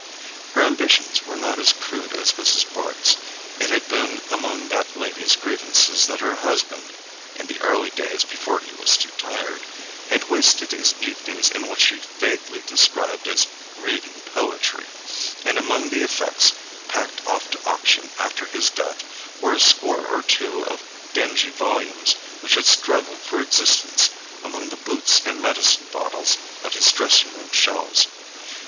Her ambitions were not as crude as Mrs. Bart's. It had been among that lady's grievances that her husband—in the early days, before he was too tired—had wasted his evenings in what she vaguely described as "reading poetry"; and among the effects packed off to auction after his death were a score or two of dingy volumes which had struggled for existence among the boots and medicine bottles of his dressing room shelves.